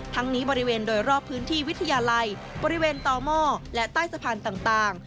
ทั้งนี้บริเวณโดยรอบพื้นที่วิทยาลัยบริเวณต่อหม้อและใต้สะพานต่าง